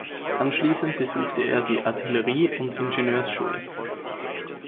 Anschließend besuchte er die Artillerie- und Ingenieursschule.